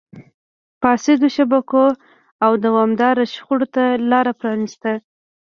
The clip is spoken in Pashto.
فاسدو شبکو او دوامداره شخړو ته لار پرانیسته.